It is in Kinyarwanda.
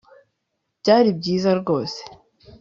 byari byiza rwose